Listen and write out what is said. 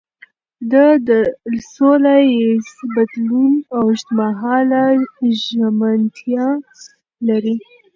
ده د سولهییز بدلون اوږدمهاله ژمنتیا لري.